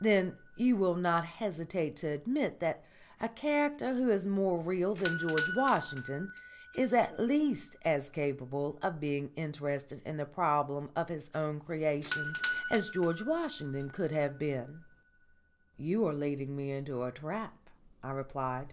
"Then you will not hesitate to admit that a character who is more real than George Washington is at least as capable of being interested in the problem of his own creation as George Washington could have been." "You are leading me into a trap," I replied.